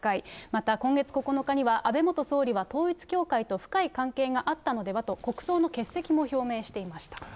また今月９日には、安倍元総理は統一教会と深い関係があったのではと、国葬の欠席も表明していました。